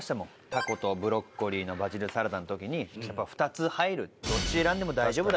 たことブロッコリーのバジルサラダの時に「２つ入る」「どっち選んでも大丈夫だよ」